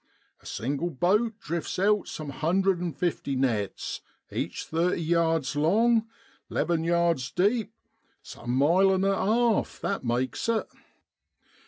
A single boat drifts out some hundred an' fifty nets, each thirty yards long, 'leven yards deep some mile an' a 'arf that makes it.